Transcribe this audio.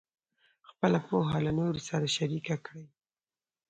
خپله پوهه له نورو سره شریکه کړئ.